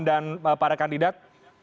dan para kandidat